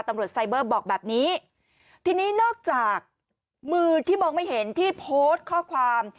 ไซเบอร์บอกแบบนี้ทีนี้นอกจากมือที่มองไม่เห็นที่โพสต์ข้อความ